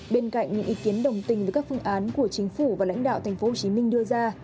bên cạnh những ý kiến đồng tình với các phương án của chính phủ và lãnh đạo tp hcm đưa ra